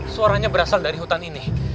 suaranya berasal dari hutan ini